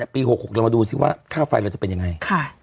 ปีหกหกเรามาดูสิว่าข้าวไฟเราจะเป็นยังไงค่ะ